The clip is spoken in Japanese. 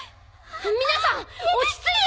皆さん落ち着いて！